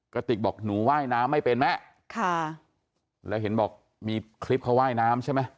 กระติกบอกหนูว่ายน้ำไม่เป็นแม่ค่ะแล้วเห็นบอกมีคลิปเขาว่ายน้ำใช่ไหม